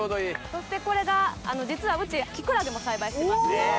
そしてこれが実はうちキクラゲも栽培してまして。